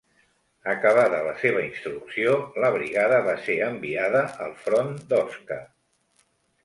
Acabada la seva instrucció, la brigada va ser enviada al front d'Osca.